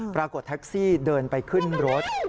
ปรากฏแท็กซี่เดินไปขึ้นรถ